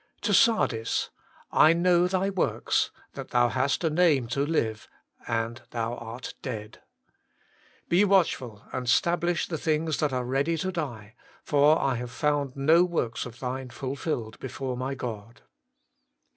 To Sardis :'/ know thy works, that thou hast a name to live, and thou art dead. Be watchful and stablish the things that are ready to die: for I have found no works of thine fulfilled before My God.'